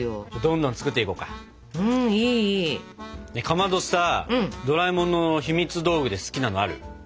かまどさドラえもんのひみつ道具で好きなのある？